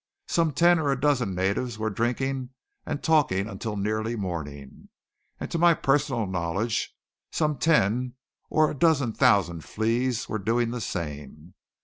Some ten or a dozen natives were drinking and talking until nearly morning; and to my personal knowledge some ten or a dozen thousand fleas were doing the same.